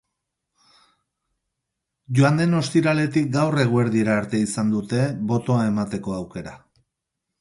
Joan den ostiraletik gaur eguerdira arte izan dute botoa emateko aukera.